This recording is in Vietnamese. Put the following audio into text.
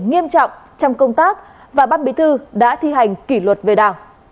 nghiêm trọng trong công tác và ban bí thư đã thi hành kỷ luật về đảng